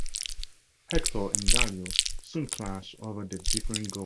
Hector and Gallo soon clash over their differing goals.